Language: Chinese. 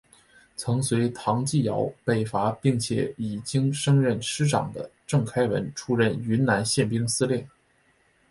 曾随唐继尧北伐并且已经升任师长的郑开文出任云南宪兵司令。